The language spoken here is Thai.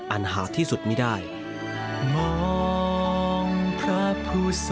อันหาที่สุดมีดาย